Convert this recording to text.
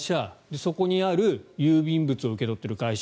そこにある郵便物を受け取っている会社